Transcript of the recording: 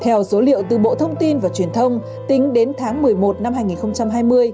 theo số liệu từ bộ thông tin và truyền thông tính đến tháng một mươi một năm hai nghìn hai mươi